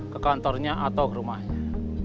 ke kantornya atau ke rumahnya